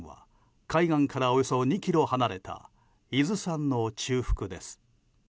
海岸からおよそ２ｋｍ離れた伊豆山の中腹です。